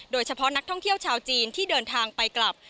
โดยเฉพาะนักท่องเที่ยวชาวจีนที่เดินทางไปกลับ